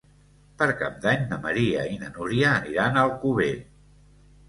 Per Cap d'Any na Maria i na Núria aniran a Alcover.